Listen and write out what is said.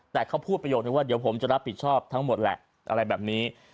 แต่เขาพูดประโยคนึงว่าเดี๋ยวผมจะรับผิดชอบทั้งหมดแหละอะไรแบบนี้